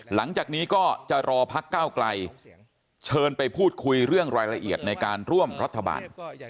หลังจากนี้ก็จะรอพักก้าวไกลเชิญไปพูดคุยเรื่องรายละเอียดในการร่วมรัฐบาล